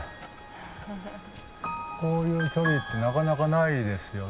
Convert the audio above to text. こういう距離ってなかなかないですよね。